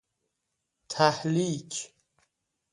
تهلیک